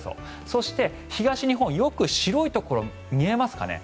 そして、東日本白いところ見えますかね。